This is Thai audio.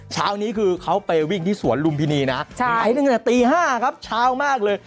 เช้านี้คือเขาไปวิ่งที่สวนลุมพินีนะขายตั้งแต่ตี๕ครับเช้ามากเลย